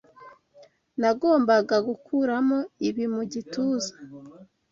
Nagombaga gukuramo ibi mu gituza.